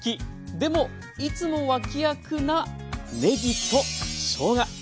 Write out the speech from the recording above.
でもいつも脇役なねぎとしょうが。